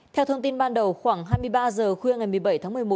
theo thông tin ban đầu khoảng hai mươi ba h khuya ngày một mươi bảy tháng một mươi một